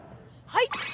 はい。